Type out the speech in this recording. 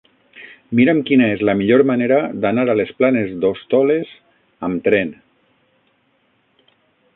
Mira'm quina és la millor manera d'anar a les Planes d'Hostoles amb tren.